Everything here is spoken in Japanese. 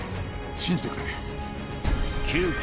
信じてくれ。